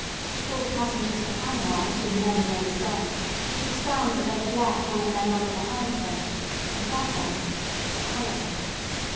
Before the passengers for Panama had been many days gone, it was found that they had left one of their number behind them, and that one the cholera.